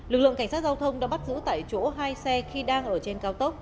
lực lượng cảnh sát giao thông đã bắt giữ tại chỗ hai xe khi đang ở trên cao tốc